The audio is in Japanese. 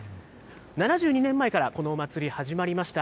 ７２年前からこのお祭り、始まりました。